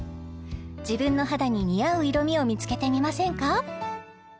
自分の肌に似合う色みを見つけてみませんか？